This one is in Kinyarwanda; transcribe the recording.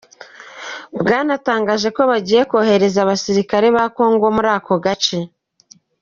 Bwanatangaje ko bagiye kohereza abasirikare ba Congo muri ako gace.